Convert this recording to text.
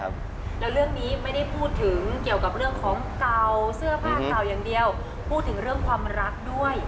แล้วเรื่องนี้ไม่ได้พูดถึงเกี่ยวกับเรื่องของเก่าเสื้อผ้าเก่าอย่างเดียวพูดถึงเรื่องความรักด้วย